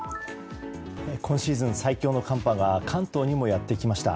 今シーズン最強の寒波が関東にもやってきました。